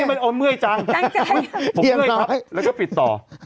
ผมเมื่อยครับแล้วก็ปิดต่อ